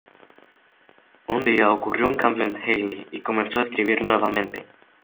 Un día ocurrió un cambio en Hayley y comenzó a escribir nuevamente.